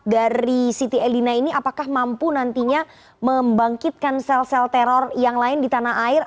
dari siti elina ini apakah mampu nantinya membangkitkan sel sel teror yang lain di tanah air